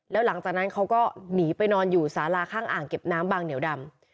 แล้วหลังจากนั้นเขาก็หนีไปนอนอยู่สาราข้างอ่างเก็บน้ำบางเหนียวดำ